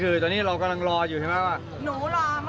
เขาบอกว่าทำแผนกายแล้ว